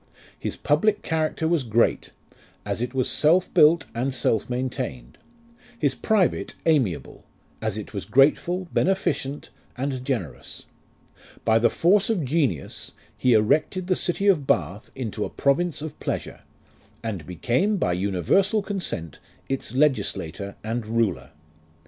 His puhlic character was great, As it was self built and self maintained : His private amiable, As it was grateful, beneficent, and generous. By the force of genius He erected the city of Bath into a province of pleasure, And became, by universal consent, Its legislator and ruler.